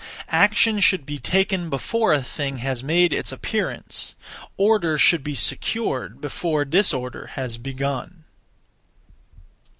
Action should be taken before a thing has made its appearance; order should be secured before disorder has begun.